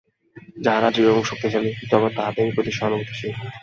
যাহারা দৃঢ় এবং শক্তিশালী, জগৎ তাহাদেরই প্রতি সহানুভূতিশীল।